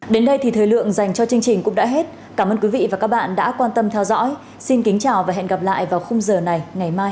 đến đây thì thời lượng dành cho chương trình cũng đã hết cảm ơn quý vị và các bạn đã quan tâm theo dõi xin kính chào và hẹn gặp lại vào khung giờ này ngày mai